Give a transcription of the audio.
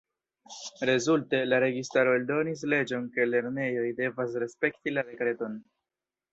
Rezulte, la registaro eldonis leĝon ke lernejoj devas respekti la Dekreton.